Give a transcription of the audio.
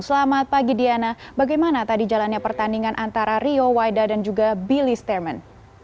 selamat pagi diana bagaimana tadi jalannya pertandingan antara rio waida dan juga billy stairman